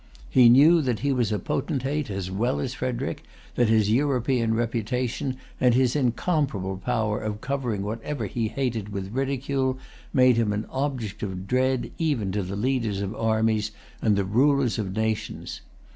He knew that he was a potentate as well as Frederic, that his European reputation, and his incomparable power of covering whatever he hated with ridicule, made him an object of dread even to the leaders of armies and the rulers of nations.